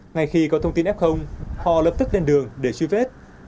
ngay khi có thông tin f họ lập tức lên đường để truy vết